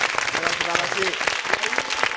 すばらしい。